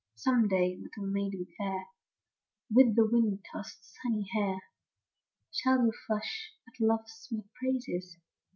m. Some day, little maiden fair, With the wind tossed, sunny hair. Shall you flush at love's sweet praises.